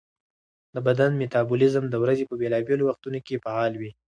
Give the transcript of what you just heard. د بدن میټابولیزم د ورځې په بېلابېلو وختونو کې فعال وي.